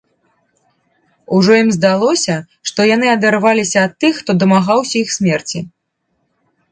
Ужо ім здалося, што яны адарваліся ад тых, хто дамагаўся іх смерці.